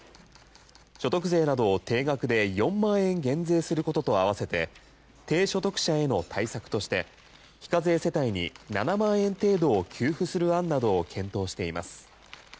所得税などを定額で４万円減税することと合わせて低所得者への対策として非課税世帯に７万円程度を給付する案などを検討しています。